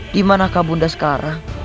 dimanakah bunda sekarang